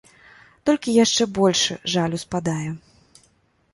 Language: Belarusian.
Толькі яшчэ большы жаль успадае.